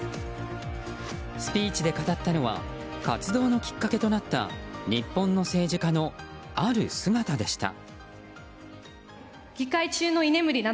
スピーチで語ったのは活動のきっかけとなった日本の政治家の、ある姿でした。